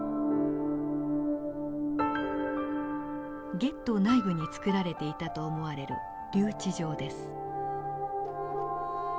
ゲットー内部に造られていたと思われる留置場です。